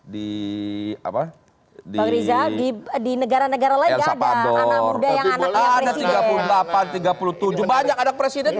di negara negara lain tidak ada anak muda yang anak presiden